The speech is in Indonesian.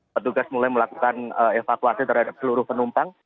petugas mulai melakukan evakuasi terhadap seluruh penumpang